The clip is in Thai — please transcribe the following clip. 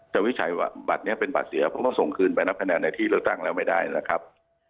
วิจัยว่าบัตรนี้เป็นบัตรเสียเพราะเขาส่งคืนไปนับคะแนนในที่เลือกตั้งแล้วไม่ได้นะครับ